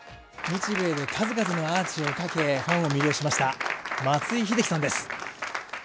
日米で数々のアーチをかけ、ファンを魅了しました松井秀喜さんです。